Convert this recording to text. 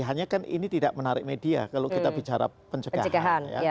hanya kan ini tidak menarik media kalau kita bicara pencegahan